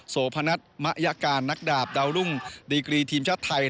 โพนัทมะยการนักดาบดาวรุ่งดีกรีทีมชาติไทย